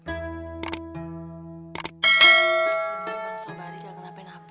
iya pak sobari gak kena pen hp